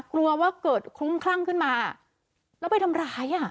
กลัวว่าเกิดคลุ้มคลั่งขึ้นมาแล้วไปทำร้ายอ่ะ